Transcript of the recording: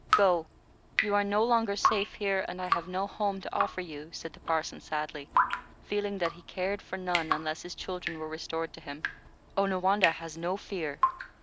Go, you are no longer safe here, and I have no home to offer you," said the parson, sadly, feeling that he cared for none, unless his children were restored to him. "Onawandah has no fear.